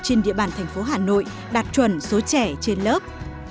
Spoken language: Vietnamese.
trên địa bàn thành phố hà nội đạt chuẩn số trẻ trên lớp